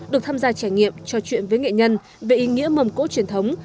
được tham gia trải nghiệm trò chuyện với nghệ nhân về ý nghĩa mầm cỗ truyền thống